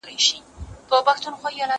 دا اوبه له هغو تازه دي